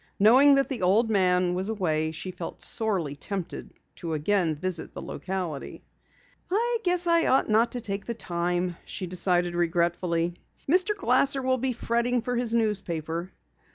Knowing that the old man was away she felt sorely tempted to again visit the locality. "I guess I ought not to take the time," she decided regretfully. "Mr. Glasser will be fretting for his paper."